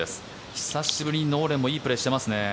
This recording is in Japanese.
久しぶりにノーレンもいいプレーをしていますね。